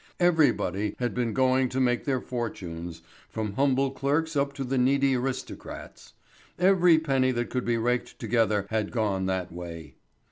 Everybody had been going to make their fortunes, from humble clerks up to the needy aristocrats. Every penny that could be raked together had gone that way.